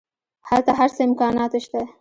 هلته هر څه امکانات شته.